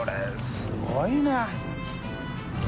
すごいよ。